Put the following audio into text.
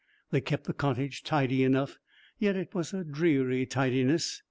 They kept the cottage tidy enough, yet it was a dreary tidiness.